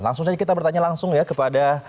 langsung saja kita bertanya langsung ya kepada